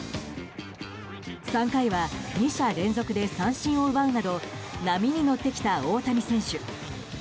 ３回は２者連続で三振を奪うなど波に乗ってきた大谷選手。